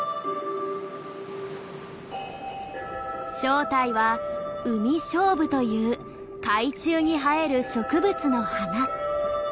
正体はウミショウブという海中に生える植物の花。